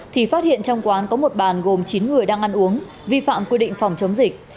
thì phát hiện trong quán có một bàn gồm chín người đang ăn uống vi phạm quy định phòng chống dịch